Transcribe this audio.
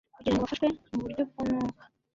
kugira ngo bafashwe mu buryo bw umwuka